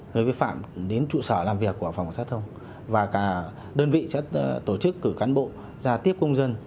nơi vi phạm đến trụ sở làm việc của phòng cảnh sát giao thông và cả đơn vị sẽ tổ chức cử cán bộ ra tiếp công dân